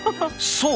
そう！